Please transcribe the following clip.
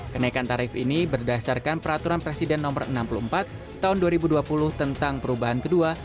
kenaikan tarif ini berdasarkan peraturan presiden no enam puluh empat tahun dua ribu dua puluh tentang perubahan kedua